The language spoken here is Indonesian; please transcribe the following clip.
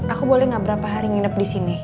aku boleh gak berapa hari nginep disini